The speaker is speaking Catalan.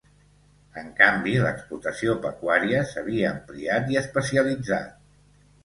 En canvi, l’explotació pecuària s’havia ampliat i especialitzat.